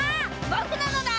ぼくなのだ！